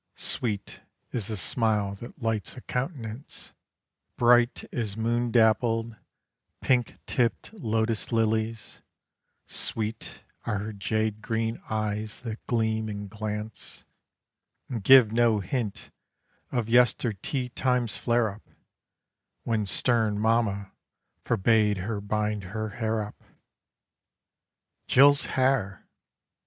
Sweet, is the smile that lights a countenance Bright as moon dappled, pink tipped lotus lilies; Sweet, are her jade green eyes that gleam and glance And give no hint of yester tea time's flare up When stern mamma forbade her bind her hair up. Jill's hair!